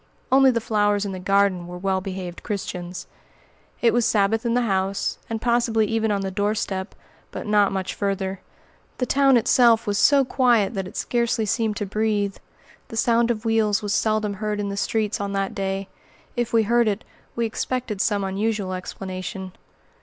Only the flowers in the garden were well behaved Christians. It was Sabbath in the house, and possibly even on the doorstep; but not much farther. The town itself was so quiet that it scarcely seemed to breathe. The sound of wheels was seldom heard in the streets on that day; if we heard it, we expected some unusual explanation.